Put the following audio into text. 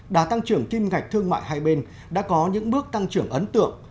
đã tăng trưởng kim ngạch thương mại hai bên đã có những bước tăng trưởng ấn tượng